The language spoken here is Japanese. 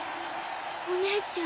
お姉ちゃん